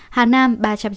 hà nam ba trăm chín mươi tám